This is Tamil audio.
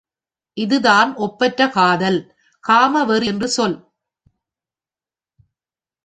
இதுதான் ஒப்பற்ற காதல், காமவெறி என்று சொல்.